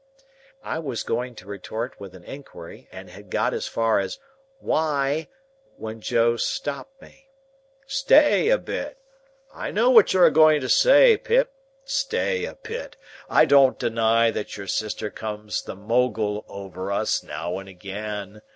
I was going to retort with an inquiry, and had got as far as "Why—" when Joe stopped me. "Stay a bit. I know what you're a going to say, Pip; stay a bit! I don't deny that your sister comes the Mo gul over us, now and again.